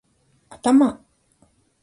頭